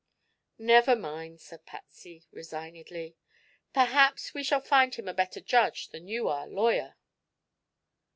"Never mind," said Patsy resignedly. "Perhaps we shall find him a better judge than you are lawyer."